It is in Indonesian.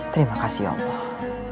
terima kasih allah